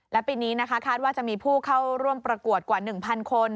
และปีนี้นะคะคาดว่าจะมีผู้เข้าร่วมประกวดกว่า๑๐๐คน